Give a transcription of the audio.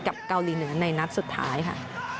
เกาหลีเหนือในนัดสุดท้ายค่ะ